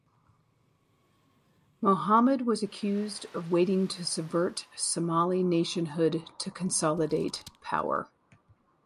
Mohamed was accused of wanting to subvert Somali nationhood to consolidate power.